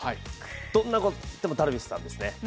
どんなことを言ってもダルビッシュさんですね。